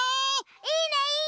いいねいいね！